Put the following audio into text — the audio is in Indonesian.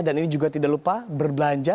dan ini juga tidak lupa berbelanja